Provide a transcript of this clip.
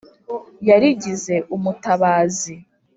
. Yarigize umutabazi